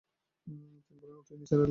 তিনি বললেন, উঠি নিসার আলি সাহেব?